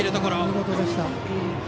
見事でした。